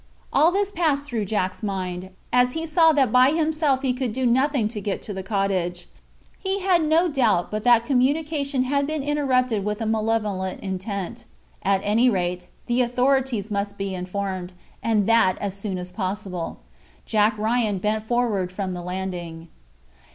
All this passed through Jack's mind, as he saw that by himself he could do nothing to get to the cottage. He had no doubt but that communication had been interrupted with a malevolent intention. At any rate, the authorities must be informed, and that as soon as possible. Jack Ryan bent forward from the landing.